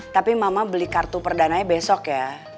tapi mama beli kartu perdananya besok ya